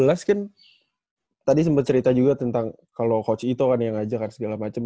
ya ya di dua ribu tujuh belas kan tadi sempet cerita juga tentang kalo coach ito kan yang ngajak dan segala macem